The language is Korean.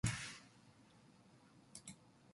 그래 애당초에도 내가 자네더러 그러지 않았나.